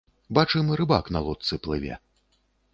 Бачым, рыбак на лодцы плыве.